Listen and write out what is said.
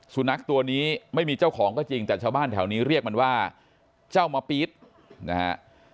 สุนัขตัวนี้ไม่มีเจ้าของก็จริงแต่ชาวบ้านแถวนี้เรียกมันว่าเจ้ามะปี๊ดนะฮะ